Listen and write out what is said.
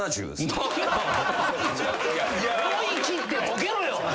思い切ってボケろよ！